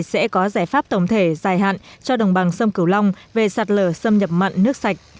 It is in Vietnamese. sẽ có giải pháp tổng thể dài hạn cho đồng bằng sông cửu long về sạt lở xâm nhập mặn nước sạch